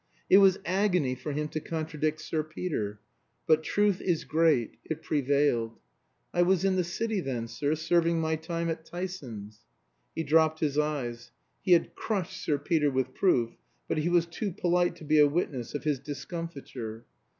It was agony for him to contradict Sir Peter. But truth is great. It prevailed. "I was in the City then, sir, serving my time at Tyson's." He dropped his eyes. He had crushed Sir Peter with proof, but he was too polite to be a witness of his discomfiture.